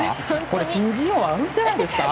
これ、新人王あるんじゃないですか？